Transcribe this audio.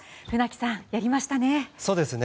船木さん、やりましたね。